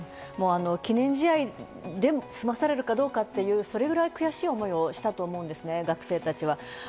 記念試合で済まされるかというか、それぐらい悔しい思いしたと思うんですね、学生たちは。